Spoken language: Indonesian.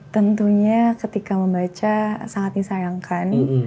tentunya ketika membaca sangat disayangkan